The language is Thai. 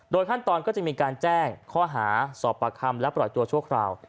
ขั้นตอนก็จะมีการแจ้งข้อหาสอบปากคำและปล่อยตัวชั่วคราว